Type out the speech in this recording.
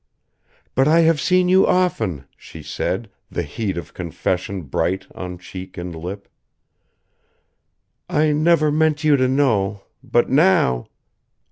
"But I have seen you often," she said, the heat of confession bright on cheek and lip. "I never meant you to know, but now